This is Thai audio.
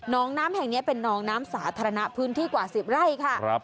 น้องน้ำแห่งนี้เป็นน้องน้ำสาธารณะพื้นที่กว่า๑๐ไร่ค่ะ